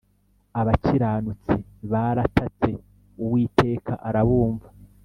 abakiranutsi baratatse uwiteka arabumva,